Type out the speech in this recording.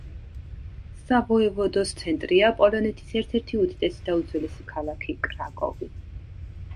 სავოევოდოს ცენტრია პოლონეთის ერთ-ერთი უდიდესი და უძველესი ქალაქი კრაკოვი.